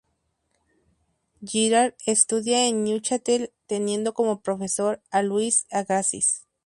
Girard estudia en Neuchâtel, teniendo como profesor a Louis Agassiz.